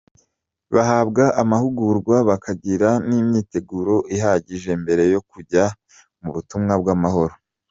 Bahabwa amahugurwa bakagira n’imyiteguro ihagije mbere yo kujya mu butumwa bw’amahoro.